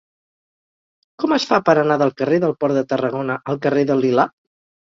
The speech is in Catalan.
Com es fa per anar del carrer del Port de Tarragona al carrer del Lilà?